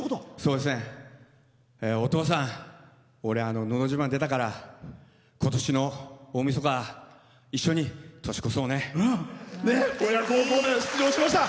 「のど自慢」出たから今年の大みそか一緒に年越そうね！